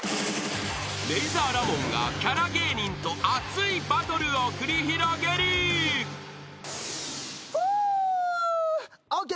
［レイザーラモンがキャラ芸人と熱いバトルを繰り広げる］ＯＫ！